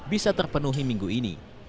bisa terpenuhi minggu ini